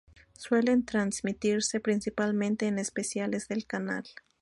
Suelen transmitirse principalmente en especiales del canal.